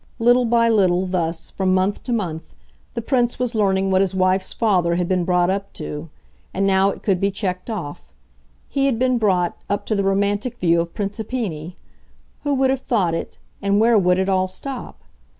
Little by little, thus, from month to month, the Prince was learning what his wife's father had been brought up to; and now it could be checked off he had been brought, up to the romantic view of principini. Who would have thought it, and where would it all stop?